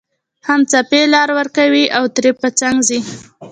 هم څپې لار ورکوي او ترې په څنګ ځي